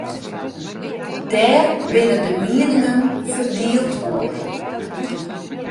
Dêr binne de mieningen ferdield oer.